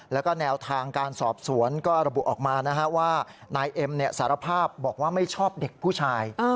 แล้วก็แนวทางการสอบสวนก็ระบุออกมาว่านายเอ็มสารภาพบอกว่าไม่ชอบเด็กผู้ชาย